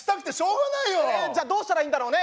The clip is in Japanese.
じゃあどうしたらいいんだろうね？